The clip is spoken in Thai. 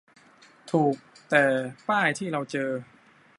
ถูก แต่ป้ายที่เราเจอ